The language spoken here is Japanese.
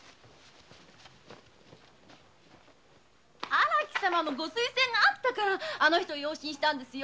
荒木様のご推薦があったからあの人を養子にしたんですよ。